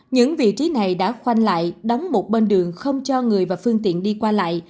những vị trí này đã khoanh lại đóng một bên đường không cho người và phương tiện đi qua lại